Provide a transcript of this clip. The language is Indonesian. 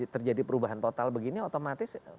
terjadi perubahan total begini otomatis